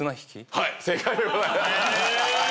正解でございます。